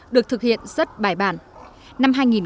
được thực hiện rất bài bản